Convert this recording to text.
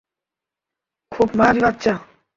খুব মায়াবি বাচ্চা।